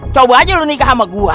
coba aja lu nikah sama gue